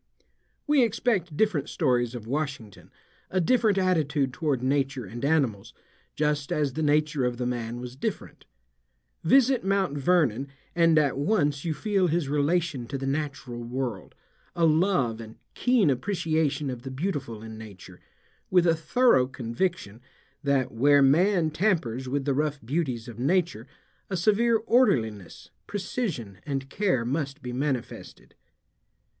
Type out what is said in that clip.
We expect different stories of Washington, a different attitude toward nature and animals, just as the nature of the man was different. Visit Mt. Vernon and at once you feel his relation to the natural world, a love and keen appreciation of the beautiful in nature, with a thorough conviction that where man tampers with the rough beauties of nature a severe orderliness, precision, and care must be manifested.